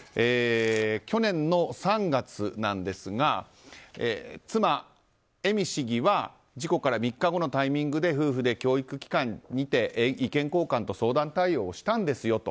去年の３月なんですが妻・恵美市議は事故から３日後のタイミングで夫婦で教育機関にて意見交換と相談対応をしたんですよと。